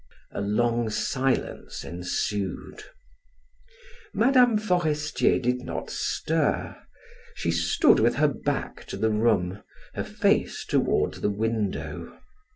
A long silence ensued. Mme. Forestier did not stir; she stood with her back to the room, her face toward the window.